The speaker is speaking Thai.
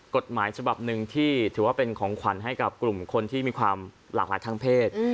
กฎหมายฉบับหนึ่งที่ถือว่าเป็นของขวัญให้กับกลุ่มคนที่มีความหลากหลายทางเพศ